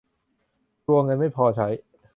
กลัวเงินไม่พอใช้